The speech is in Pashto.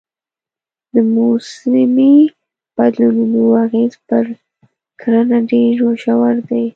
د موسمي بدلونونو اغېز پر کرنه ډېر ژور دی.